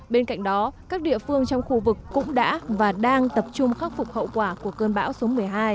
bên cạnh đó các địa phương trong khu vực cũng đã và đang tập trung khắc phục hậu quả của cơn bão số một mươi hai